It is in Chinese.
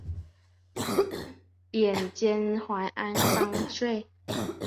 贬监怀安商税。